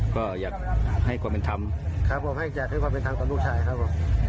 ก็อยากให้ความเป็นทำครับผมให้ความเป็นทำต่อลูกชายครับผม